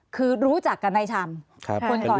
คือรู้จักกับนายชำ